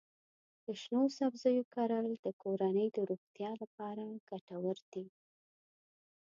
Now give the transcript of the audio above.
د شنو سبزیو کرل د کورنۍ د روغتیا لپاره ګټور دي.